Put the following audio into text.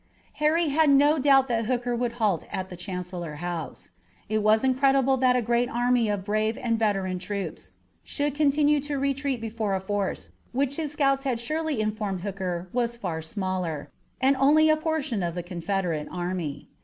Harry had no doubt that Hooker would halt at the Chancellor House. It was incredible that a great army of brave and veteran troops should continue to retreat before a force which his scouts had surely informed Hooker was far smaller, and only a portion of the Confederate army.